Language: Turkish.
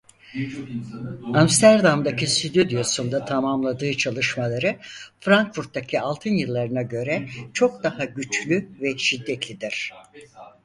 Amsterdam'daki stüdyosunda tamamladığı çalışmaları Frankfurt'taki altın yıllarına göre çok daha güçlü ve şiddetlidir.